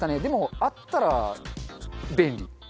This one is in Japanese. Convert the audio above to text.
でもあったら便利。